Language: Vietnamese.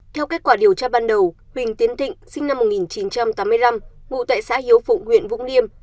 theo kết quả điều tra ban đầu huỳnh tiến thịnh sinh năm một nghìn chín trăm tám mươi năm ngụ tại xã hiếu phụng huyện vũng liêm